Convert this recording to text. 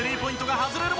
「外れるも」